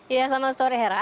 ya selamat sore hera